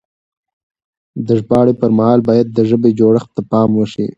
د ژباړې پر مهال بايد د ژبې جوړښت ته پام وشي.